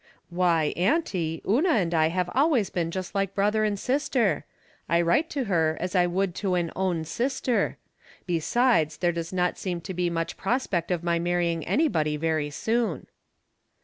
" Why, Auntie, Una and I have always been just like brother and sister. I write to her as I would to an own sister. Besides, there does not seem to be much prospect of my marrying anybody very soon."